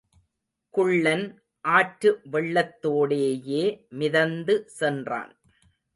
குள்ளன் ஆற்று வெள்ளத்தோடேயே மிதந்து சென்றான்.